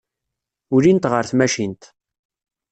Ulint ɣer tmacint.